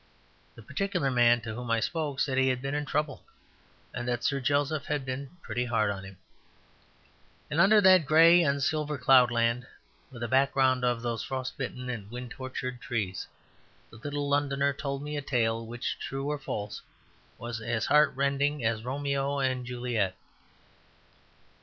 The particular man to whom I spoke said he had "been in trouble," and that Sir Joseph had been "pretty hard on him." And under that grey and silver cloudland, with a background of those frost bitten and wind tortured trees, the little Londoner told me a tale which, true or false, was as heartrending as Romeo and Juliet.